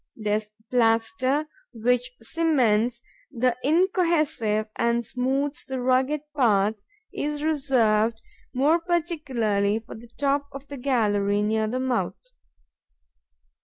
This plaster, which cements the incohesive and smooths the rugged parts, is reserved more particularly for the top of the gallery, near the mouth.